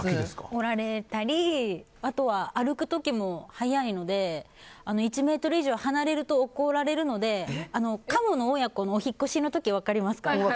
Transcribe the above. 折られたりあとは、歩く時も速いので１ｍ以上離れると怒られるのでカモのお引っ越しの時分かりますか？